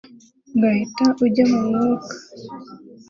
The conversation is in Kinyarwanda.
ugahita ujya mu mwuka